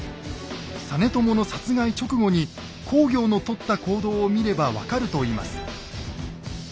実朝の殺害直後に公暁のとった行動を見れば分かるといいます。